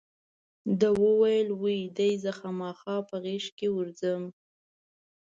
ده وویل وی دې زه خامخا په غېږ ورځم.